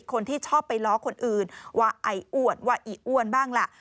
คนที่ชอบไปล้อคนอื่นว่าไอ้อ้วนว่าอีอ้วนบ้างล่ะ